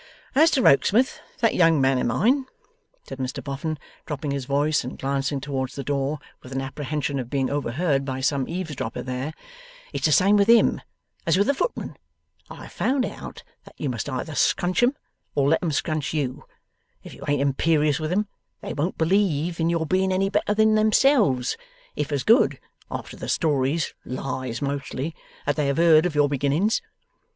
'As to Rokesmith, that young man of mine,' said Mr Boffin, dropping his voice and glancing towards the door with an apprehension of being overheard by some eavesdropper there, 'it's the same with him as with the footmen. I have found out that you must either scrunch them, or let them scrunch you. If you ain't imperious with 'em, they won't believe in your being any better than themselves, if as good, after the stories (lies mostly) that they have heard of your beginnings.